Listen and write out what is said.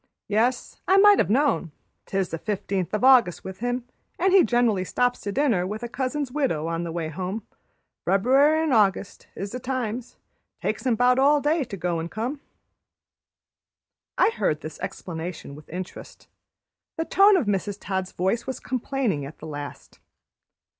Yes, I might have known. 'Tis the 15th o' August with him, an' he gener'ly stops to dinner with a cousin's widow on the way home. Feb'uary n' August is the times. Takes him 'bout all day to go an' come." I heard this explanation with interest. The tone of Mrs. Todd's voice was complaining at the last.